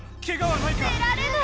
出られない！